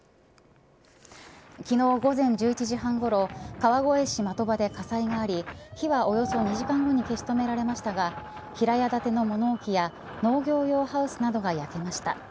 昨日午前１１時半ごろ川越市的場で火災があり火はおよそ２時間後に消し止められましたが平屋建ての物置や農業用ハウスなどが焼けました。